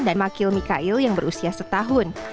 dan makil mikail yang berusia satu tahun